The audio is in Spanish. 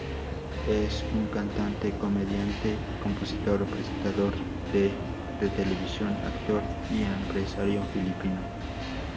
Es un cantante, comediante, compositor, presentador de de televisión, actor y empresario filipino.